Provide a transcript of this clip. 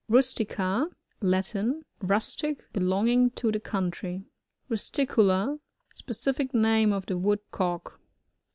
RusTiCA. — ^Latin. Rustic » belong ing to the country. RusncoLA. — Specific name of Uie Woodcock.